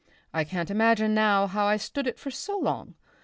I can't imagine now how I stood it for so long.